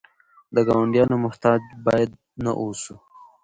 د ګاونډیانو محتاج باید نه اوسو.